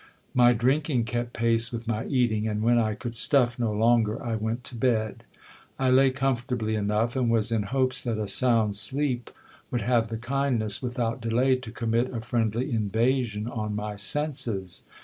My drinking kept pace with my eating : and when I could stuff no longer, I went to bed. I lay comfortably enough, and was in hopes that a sound sleep would have the kindness without delay to commit a friendly invasion on my senses.